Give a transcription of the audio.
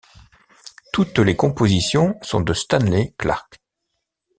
Toutes les compositions sont de Stanley Clarke.